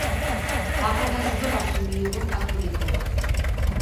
ახალგაზრდობაში მიიღო კათოლიკობა.